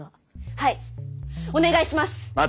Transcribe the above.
はいお願いしますッ。